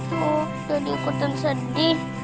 pak bobo udah diikutan sedih